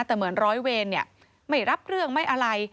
แต่เหมือนร้อยเวรไม่รับเรื่องไม่อะไร